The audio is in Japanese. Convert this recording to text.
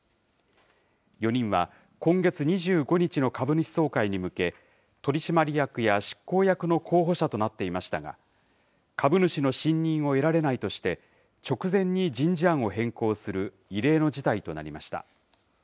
４人は今月２５日の株主総会に向け、取締役や執行役の候補者となっていましたが、株主の信任を得られないとして、直前に人事案を変更する異例の事態となりました。